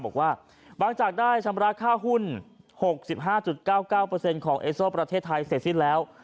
บอกว่าบางจากได้ชำระค่าหุ้น๖๕๙๙ของเอสโซประเทศไทยเสร็จสิ้นแล้ว